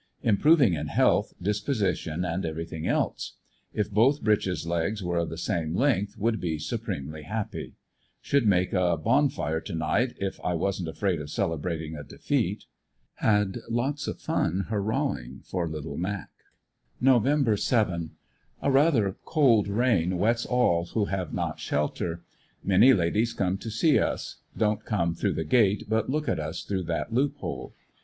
Improv ing in health, disposition and everything else. If both breeches legs were of the same length should be supremely happy. Should make a bon fire to night if I wasn't afraid of celebrating a defeat. Had lots of fun hurrahing for ''Little Mac." Nov. 7. — A rather cold rain wets all who haye not shelter. Many ladies come to see us; don't come through the gate, but look at us through that loophole.